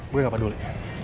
gue gak peduli